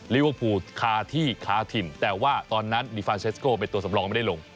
เรียกผู้คาที่คาทิมแต่ว่าตอนนั้นดิฟานเชสโกเป็นตัวสำรองไม่ได้ลง